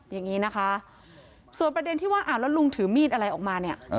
อย่างนี้นะคะส่วนประเด็นที่ว่าอ้าวแล้วลุงถือมีดอะไรออกมาเนี่ย